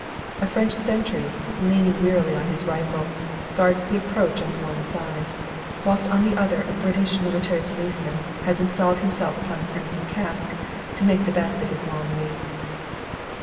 A French sentry, leaning wearily on his rifle, guards the approach on one side, whilst on the other a British Military Policeman has installed himself upon an empty cask to make the best of his long wait.